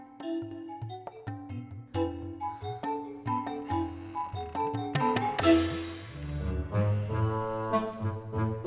bisa ke rumah